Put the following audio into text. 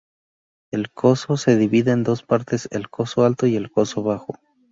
El Coso se divide en dos partes: el Coso Alto y el Coso Bajo.